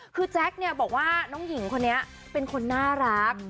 คือแจ๊คเนี่ยบอกว่าน้องหญิงคนนี้เป็นคนน่ารัก